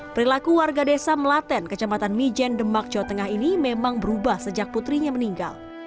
perilaku warga desa melaten kecamatan mijen demak jawa tengah ini memang berubah sejak putrinya meninggal